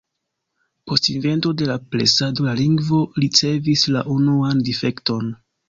Post invento de la presado la lingvo ricevis la unuan difekton.